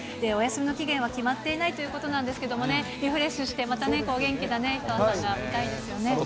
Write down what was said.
お休みの期限は決まっていないということなんですけれどもね、リフレッシュして、またね、元気な氷川さんが見たいですよね。